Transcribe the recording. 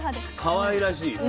かわいらしい。